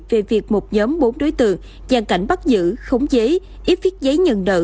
về việc một nhóm bốn đối tượng gian cảnh bắt giữ khống chế ít viết giấy nhận nợ